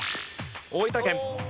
大分県。